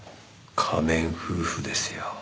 仮面夫婦ですよ。